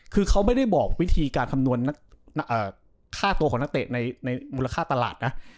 คือเขาไม่ได้บอกวิธีการคำนวณค่าตัวของนักเตะในมูลค่าตลาดนะ